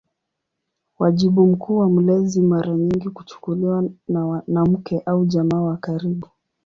Wajibu mkuu wa mlezi mara nyingi kuchukuliwa na mke au jamaa wa karibu.